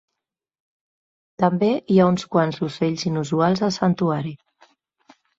També hi ha uns quants ocells inusuals al santuari.